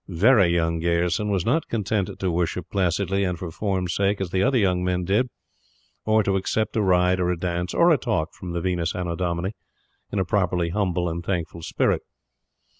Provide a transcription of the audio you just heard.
"Very Young" Gayerson was not content to worship placidly and for form's sake, as the other young men did, or to accept a ride or a dance, or a talk from the Venus Annodomini in a properly humble and thankful spirit.